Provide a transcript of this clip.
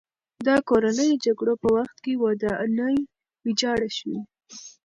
د کورنیو جګړو په وخت کې ودانۍ ویجاړه شوې.